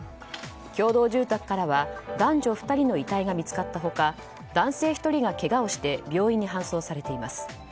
共同住宅からは男女２人の遺体が見つかった他男性１人がけがをして病院に搬送されています。